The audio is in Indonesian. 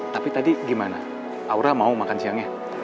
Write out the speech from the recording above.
tapi tadi gimana aura mau makan siangnya